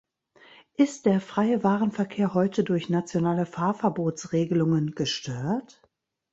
Ist der freie Warenverkehr heute durch nationale Fahrverbotsregelungen gestört?